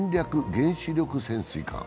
原子力潜水艦。